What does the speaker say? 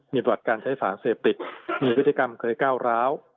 มีประวัติการใช้สารเสพติดมีพฤติกรรมเคยก้าวร้าว